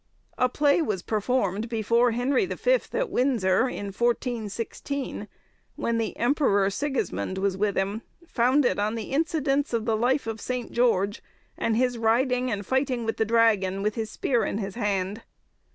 A play was performed before Henry the Fifth at Windsor, in 1416, when the Emperor Sigismund was with him, founded on the incidents of the life of St. George, and "his ridyng and fighting with the dragon, with his speer in his hand."